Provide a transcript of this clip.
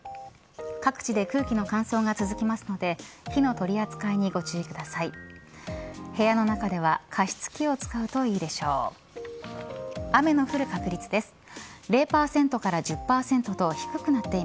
各地で空気の乾燥が続きますので火の取り扱いにご注意ください。